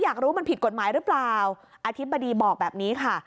อยากรู้มันผิดกฎหมายหรือเปล่าอธิบดีบอกแบบนี้ค่ะ